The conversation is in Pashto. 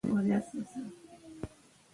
افغانستان کې د ګاز د پرمختګ هڅې روانې دي.